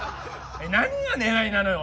何がねらいなのよ？